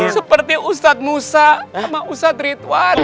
seperti ustadz musa sama ustadz ridwan